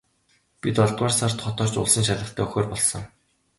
Би долоодугаар сард хот орж улсын шалгалтаа өгөхөөр болсон.